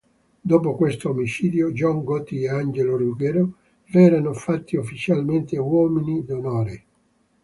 Dopo questo omicidio John Gotti e Angelo Ruggero verranno fatti ufficialmente "uomini d'onore".